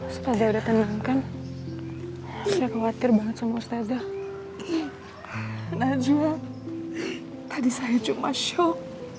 setelah datangkan saya khawatir banget semua ustadzah najwa tadi saya cuma syok